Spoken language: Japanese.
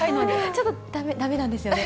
ちょっとだめなんですよね。